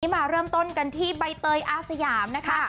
มาเริ่มต้นกันที่ใบเตยอาสยามนะคะ